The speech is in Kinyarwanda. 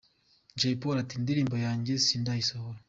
Jay Polly ati “Indirimbo yanjye sindayisohora”.